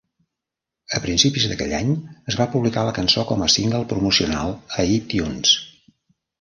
A principis d'aquell any, es va publicar la cançó com a single promocional a iTunes.